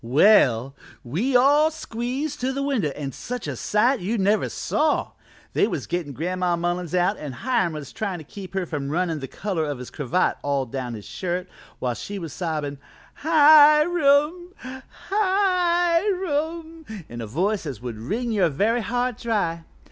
"Well, we all squeezed to the window, an' such a sight you never saw. They was gettin' Gran'ma Mullins out an' Hiram was tryin' to keep her from runnin' the color of his cravat all down his shirt while she was sobbin' 'Hi i i i ram, Hi i i i i ram,' in a voice as would wring your very heart dry.